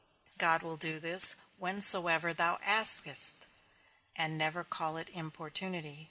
God will do this whensoever thou askest, and never call it importunity.